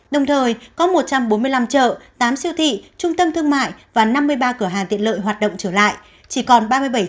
đồng thời có một trăm bốn mươi năm chợ tám siêu thị trung tâm thương mại và năm mươi ba cửa hàng tiện lợi hoạt động trở lại chỉ còn ba mươi bảy chợ tạm ngưng hoạt động